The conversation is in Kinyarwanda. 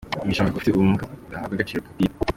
Mugisha avuga ko abafite ubumuga badahabwa agaciro gakwiye.